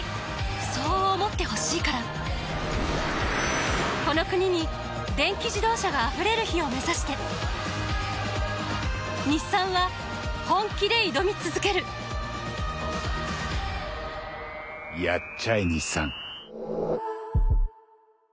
そう思ってほしいからこの国に電気自動車があふれる日を目指して日産は本気で挑み続けるやっ